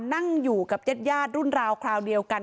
นั่งอยู่กับญาติรุ่นราวคราวเดียวกัน